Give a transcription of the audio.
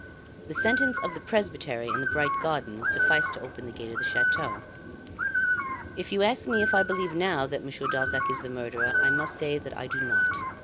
The sentence of the presbytery and the bright garden sufficed to open the gate of the chateau. If you ask me if I believe now that Monsieur Darzac is the murderer, I must say I do not.